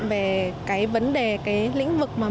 về vấn đề lĩnh vực mà mình đang làm